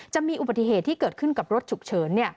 จะมีอุบัติเหตุที่เกิดขึ้นกับรถฉุกเฉิน